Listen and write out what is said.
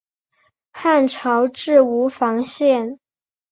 汉朝置吴房县。